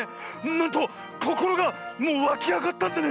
なんとこころがもうわきあがったんだね！